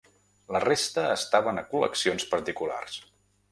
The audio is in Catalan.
La resta estaven a col·leccions particulars.